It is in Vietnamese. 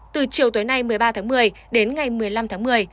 từ chiều tối nay một mươi ba tháng một mươi đến ngày một mươi năm tháng một mươi